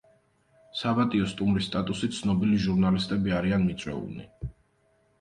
საპატიო სტუმრის სტატუსით ცნობილი ჟურნალისტები არიან მიწვეულნი.